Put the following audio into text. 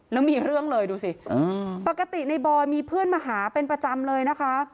แล้วมีเรื่องเลยดูสิปกติในบอยมีเพื่อนมาหาเป็นประจำเลยนะคะ